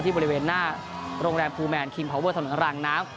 ที่บริเวณหน้าโรงแรมฟูแมนคิงพอเวิร์ดถนนหลังน้ำ